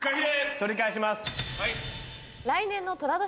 取り返します。